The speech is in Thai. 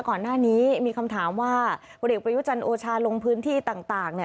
ก่อนหน้านี้มีคำถามว่าผลเอกประยุจันทร์โอชาลงพื้นที่ต่างเนี่ย